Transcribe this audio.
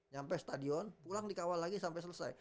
sampai stadion pulang dikawal lagi sampai selesai